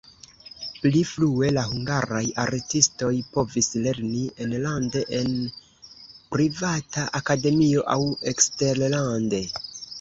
Pli frue la hungaraj artistoj povis lerni enlande en privata akademio aŭ eksterlande.